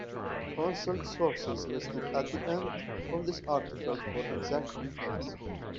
Consult sources listed at the end of this article for exact details.